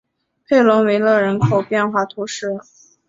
佩龙维勒人口变化图示